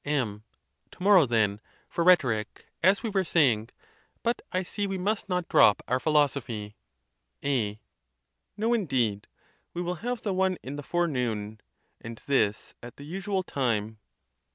M. To morrow, then, for rhetoric, as we were saying. But I see we must not drop our philosophy. A. No, indeed; we will have the one in the forenoon, and this at the usual time.